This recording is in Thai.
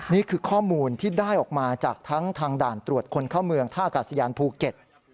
นี่คือข้อมูลที่ได้ออกมาจากทั้งทางด่านตรวจคนเข้าเมืองท่ากาศยานภูเก็ต